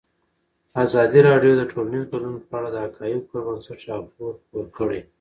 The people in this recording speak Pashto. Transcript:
ازادي راډیو د ټولنیز بدلون په اړه د حقایقو پر بنسټ راپور خپور کړی.